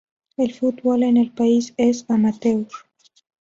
El fútbol en el país es amateur.